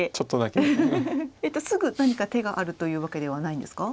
すぐ何か手があるというわけではないんですか？